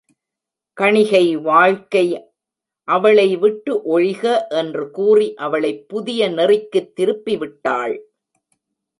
கணிகை வாழ்க்கை அவளைவிட்டு ஒழிக என்று கூறி அவளைப் புதிய நெறிக்குத் திருப்பிவிட்டாள்.